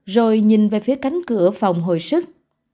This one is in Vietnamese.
rồi nhìn về phía cánh cửa phòng hồi sức